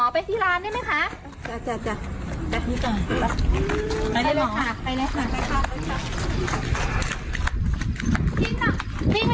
ไปด้านหน้าก็ได้